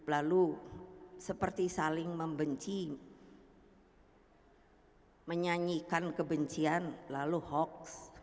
lalu seperti saling membenci menyanyikan kebencian lalu hoax